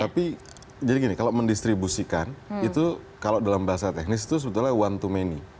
tapi jadi gini kalau mendistribusikan itu kalau dalam bahasa teknis itu sebetulnya one to many